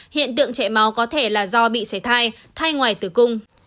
hiện tượng chảy máu có thể là do bị sẻ thai thai ngoài tử cung